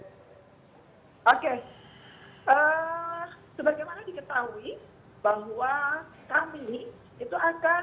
oke sebagaimana diketahui bahwa kami itu akan